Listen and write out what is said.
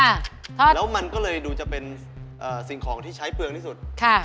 ใช่แล้วมันก็เลยดูจะเป็นสิ่งของที่ใช้เปลืองที่สุดค่ะ